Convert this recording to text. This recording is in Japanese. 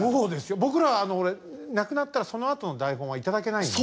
僕ら亡くなったらそのあとの台本は頂けないので。